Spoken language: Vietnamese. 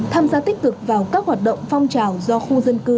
tham gia tích cực vào các hoạt động phong trào do khu dân cư tổ chức